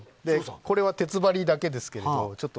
これは鉄針だけですけど。